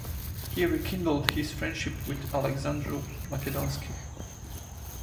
He rekindled his friendship with Alexandru Macedonski.